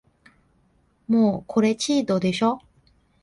もうこれチートでしょ